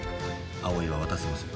碧唯は渡せません。